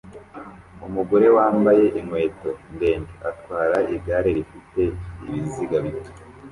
Umugore wambaye inkweto ndende atwara igare rifite ibiziga bito